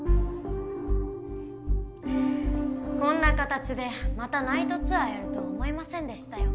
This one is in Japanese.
こんな形でまたナイトツアーやるとは思いませんでしたよ。